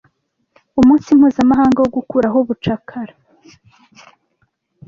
Umunsi mpuzamahanga wo gukuraho ubucakara,